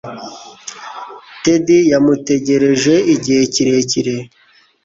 ted yamutegereje igihe kirekire